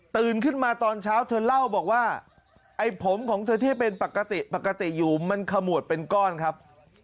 ขึ้นมาตอนเช้าเธอเล่าบอกว่าไอ้ผมของเธอที่เป็นปกติปกติอยู่มันขมวดเป็นก้อนครับ